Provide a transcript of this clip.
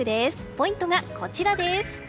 ポイントがこちらです。